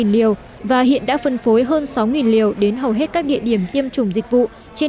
sáu mươi ba liều và hiện đã phân phối hơn sáu liều đến hầu hết các địa điểm tiêm chủng dịch vụ trên